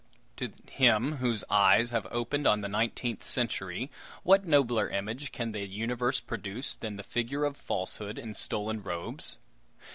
To him whose eyes have opened on the nineteenth century, what nobler image can the universe produce than the figure of Falsehood in stolen robes?